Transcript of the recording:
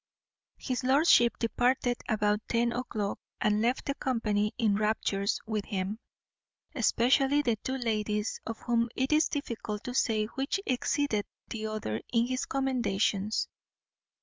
His lordship departed about ten o'clock, and left the company in raptures with him, especially the two ladies, of whom it is difficult to say which exceeded the other in his commendations.